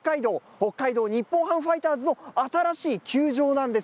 北海道日本ハムファイターズの新しい球場なんです。